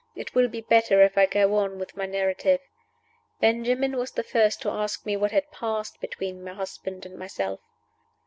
It will be better if I go on with my narrative. Benjamin was the first to ask me what had passed between my husband and myself.